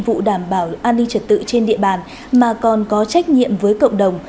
vụ đảm bảo an ninh trật tự trên địa bàn mà còn có trách nhiệm với cộng đồng